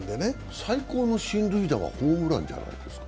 最高の進塁打はホームランじゃないですか？